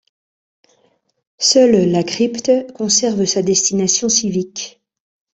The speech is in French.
Seule la crypte conserve sa destination civique.